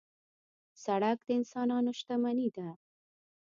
سړک د انسانانو شتمني ده.